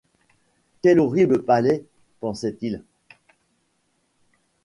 Quel horrible palais ! pensait-il.